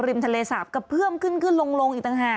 ริมทะเลศาสตร์กระเพื่อมขึ้นลง